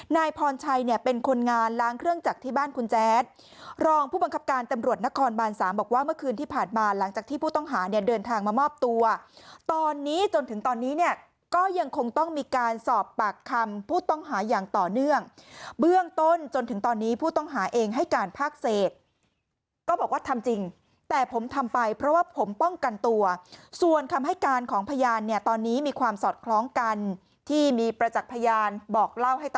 นายพรชัยเนี่ยเป็นคนงานล้างเครื่องจักรที่บ้านคุณแจ๊ดรองผู้บังคับการตำรวจนครบานสามบอกว่าเมื่อคืนที่ผ่านมาหลังจากที่ผู้ต้องหาเนี่ยเดินทางมามอบตัวตอนนี้จนถึงตอนนี้เนี่ยก็ยังคงต้องมีการสอบปากคำผู้ต้องหาอย่างต่อเนื่องเบื้องต้นจนถึงตอนนี้ผู้ต้องหาเองให้การพากเศษก็บอกว่าทำจริงแต่ผมทำไปเพ